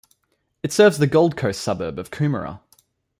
It serves the Gold Coast suburb of Coomera.